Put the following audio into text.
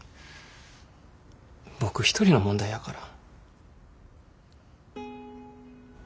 僕一人の問題やから。